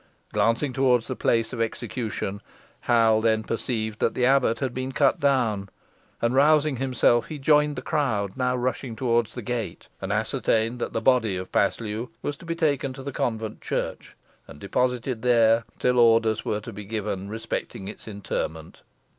Glancing toward the place of execution, Hal then perceived that the abbot had been cut down, and, rousing himself, he joined the crowd now rushing towards the gate, and ascertained that the body of Paslew was to be taken to the convent church, and deposited there till orders were to be given respecting its interment.